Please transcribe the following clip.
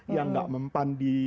yang gak mempandi